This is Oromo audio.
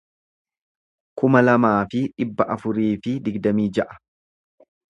kuma lamaa fi dhibba afurii fi digdamii ja'a